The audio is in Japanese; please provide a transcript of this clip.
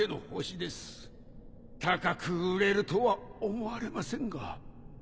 高く売れるとは思われませんが。